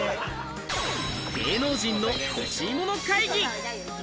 芸能人の欲しいもの会議。